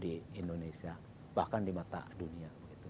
di indonesia bahkan di mata dunia